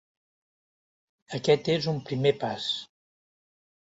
Aquest és un primer pas.